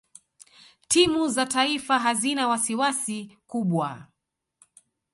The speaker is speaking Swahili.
timu za taifa hazina wasiwasi kubwa